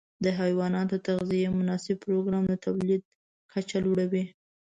د حيواناتو د تغذیې مناسب پروګرام د تولید کچه لوړه وي.